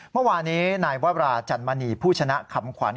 เมื่อวานี้นายวราจันมณีผู้ชนะคำขวัญ